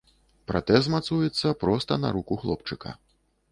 Пратэз мацуецца проста на руку хлопчыка.